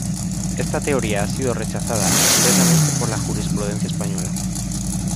Esta teoría ha sido rechazada expresamente por la jurisprudencia española.